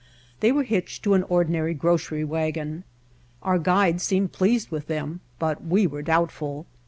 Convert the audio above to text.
They were hitched to an ordi nary grocery wagon. Our guide seemed pleased with them, but we were doubtful.